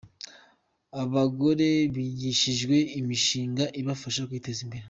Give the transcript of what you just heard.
Abagore bigishijwe imishinga ibafasha kwiteza imbere.